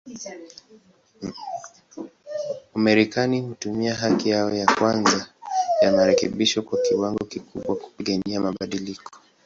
Wamarekani hutumia haki yao ya kwanza ya marekebisho kwa kiwango kikubwa, kupigania mabadiliko.